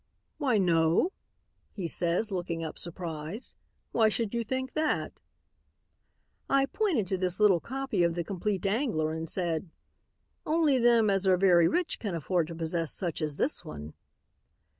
"'Why, no,' he says looking up surprised. 'Why should you think that?' "I pointed to this little copy of 'The Compleat Angler' and said, 'Only them as are very rich can afford to possess such as this one.'